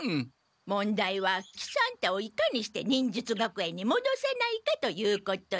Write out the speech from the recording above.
問題は喜三太をいかにして忍術学園にもどさないかということじゃ。